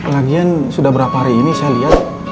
lagian sudah berapa hari ini saya lihat